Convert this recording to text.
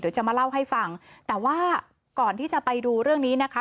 จะมาเล่าให้ฟังแต่ว่าก่อนที่จะไปดูเรื่องนี้นะคะ